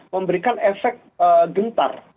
memberikan efek gentar